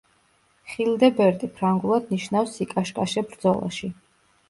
ხილდებერტი ფრანგულად ნიშნავს: „სიკაშკაშე ბრძოლაში“.